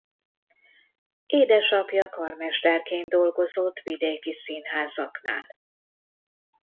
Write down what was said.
Édesapja karmesterként dolgozott vidéki színházaknál.